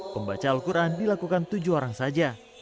pembaca al quran dilakukan tujuh orang saja